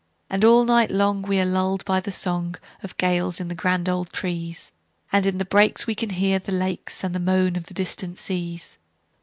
And all night long we are lulled by the songOf gales in the grand old trees; And in the breaks we can hear the lakesAnd the moan of the distant seas.